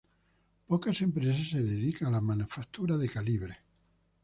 Pocas empresas se dedican a la manufactura de calibres.